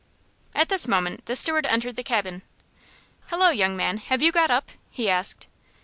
At this moment the steward entered the cabin. "Hello, young man! Have you got up?" he asked.